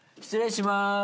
失礼します。